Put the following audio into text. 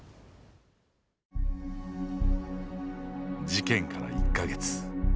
事件から１か月。